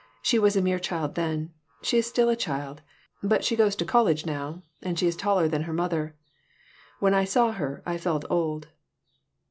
She was a mere child then. She is still a child, but she goes to college now, and she is taller than her mother. When I saw her I felt old."